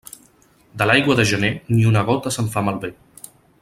De l'aigua de gener, ni una gota se'n fa malbé.